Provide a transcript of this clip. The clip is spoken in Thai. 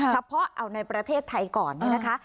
เฉพาะเอาในประเทศไทยก่อนเนี่ยนะคะ